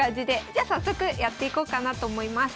じゃ早速やっていこうかなと思います。